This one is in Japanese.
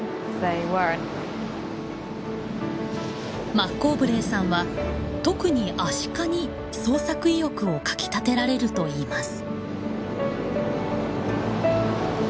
マッコーブレーさんは特にアシカに創作意欲をかきたてられるといいます。